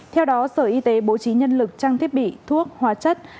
theo đó sở y tế bố trí nhân lực trang thiết bị thuốc hóa chất và dịch bệnh